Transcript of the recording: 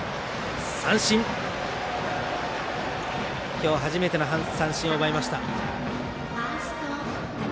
今日初めての三振を奪いました。